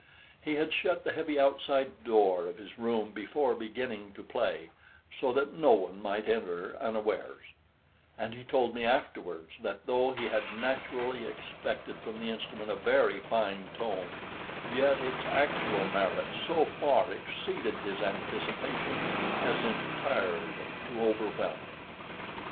He had shut the heavy outside door of his room before beginning to play, so that no one might enter unawares; and he told me afterwards that though he had naturally expected from the instrument a very fine tone, yet its actual merits so far exceeded his anticipations as entirely to overwhelm him.